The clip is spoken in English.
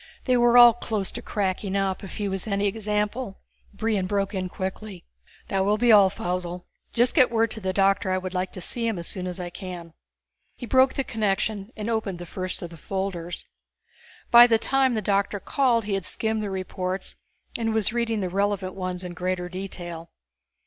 They were all close to cracking up, if he was any example. Brion broke in quickly. "That will be all, Faussel. Just get word to the doctor that I would like to see him as soon as I can." He broke the connection and opened the first of the folders. By the time the doctor called he had skimmed the reports and was reading the relevant ones in greater detail.